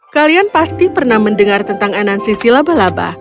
kalian pasti pernah mendengar tentang anansi silabalaba